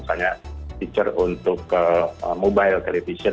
sebenarnya juga ada juga feature untuk mobile television